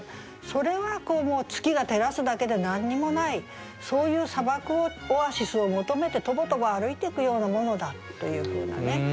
それはもう月が照らすだけで何にもないそういう砂漠をオアシスを求めてとぼとぼ歩いていくようなものだというふうなね。